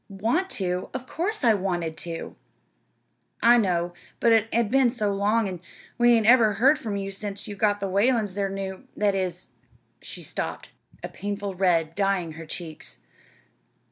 "Want to? Of course I wanted to!" "I know; but it had been so long, an' we hadn't never heard from you since you got the Whalens their new that is " she stopped, a painful red dyeing her cheeks.